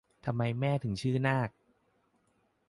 ทำไมแม่ถึงชื่อนาก